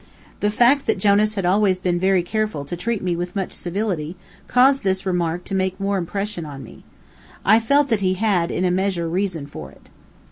The fact that Jonas had always been very careful to treat me with much civility, caused this remark to make more impression on me. I felt that he had, in a measure, reason for it.